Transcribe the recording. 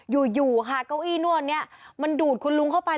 อยู่ค่ะเก้าอี้นวดนี้มันดูดคุณลุงเข้าไป